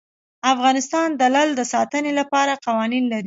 افغانستان د لعل د ساتنې لپاره قوانین لري.